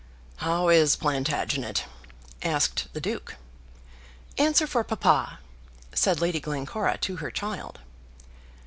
"How is Plantagenet?" asked the Duke. "Answer for papa," said Lady Glencora to her child.